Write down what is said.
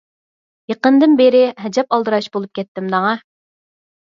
يېقىندىن بېرى ئەجەب ئالدىراش بولۇپ كەتتىم دەڭا.